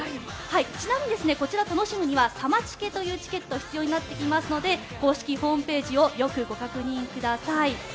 ちなみにこちら楽しむにはサマチケというチケットが必要になってきますので公式ホームページをよくご確認ください。